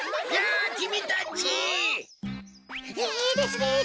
いいですね